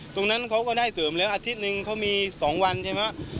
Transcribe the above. ตรงนั้นเขาก็ได้เสริมแล้วอาทิตย์หนึ่งเขามี๒วันใช่ไหม